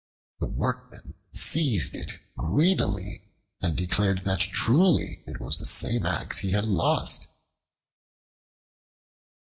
The Workman seized it greedily, and declared that truly it was the very same axe that he had lost.